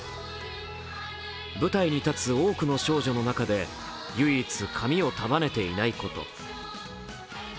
舞台に立つ多くの少女の中で唯一髪を束ねていないこと。